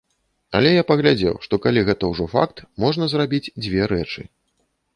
Але я паглядзеў, што калі гэта ўжо факт, можна зрабіць дзве рэчы.